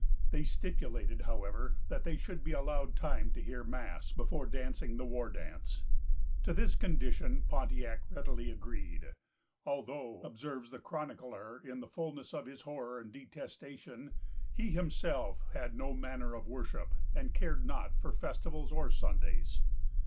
They stipulated, however, that they should be allowed time to hear mass, before dancing the war dance. To this condition Pontiac readily agreed, "although," observes the chronicler in the fulness of his horror and detestation, "he himself had no manner of worship, and cared not for festivals or Sundays."